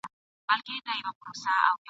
دلته یې بشپړه بڼه لوستلای سئ ..